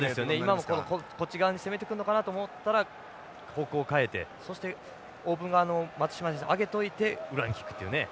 今もこっち側に攻めてくんのかなと思ったら方向を変えてそしてオープン側の松島選手に上げておいて裏にキックっていうね。